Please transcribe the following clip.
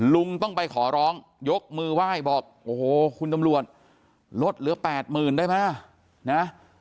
ลุงต้องไปขอร้องยกมือไหว้บอกโอ้โหคุณตำรวจลดเหลือ๘๐๐๐ได้ไหมนะ